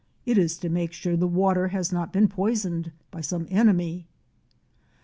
It is to make sure the water has not been poisoned by some enemy ''!